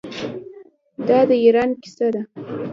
دا د ایران کیسه ده.